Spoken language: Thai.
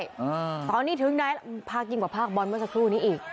อ่าตอนนี้ถึงไหนภาคยิ่งกว่าภาคบอลเมื่อสักครู่นี้อีก